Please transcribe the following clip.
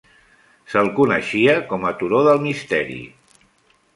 Se'l coneixia com a "Turó del misteri".